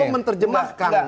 kan gue menerjemahkan